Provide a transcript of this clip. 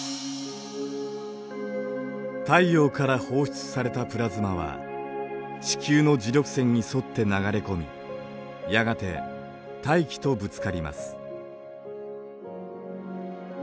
太陽から放出されたプラズマは地球の磁力線に沿って流れ込みやがて大気とぶつかります。